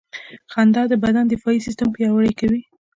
• خندا د بدن دفاعي سیستم پیاوړی کوي.